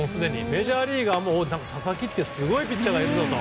メジャーリーガーも佐々木っていうすごいピッチャーがいるぞと。